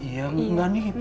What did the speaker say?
ya enggak nih ibu